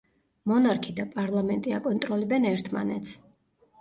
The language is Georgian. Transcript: მონარქი და პარლამენტი აკონტროლებენ ერთმანეთს.